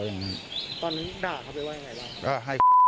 ตอนนี้ด่าเขาไปว่าอย่างไรบ้าง